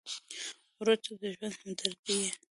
ورور ته د ژوند همدرد یې.